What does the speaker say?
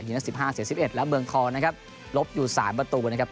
นัด๑๕เสีย๑๑แล้วเมืองทองนะครับลบอยู่๓ประตูนะครับ